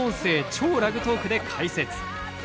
超ラグトークで解説。